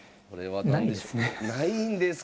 ないんですか！